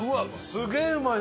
すげえうまい！